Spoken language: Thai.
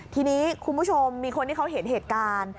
ทีนี้คุณผู้ชมมีคนที่เขาเห็นเหตุการณ์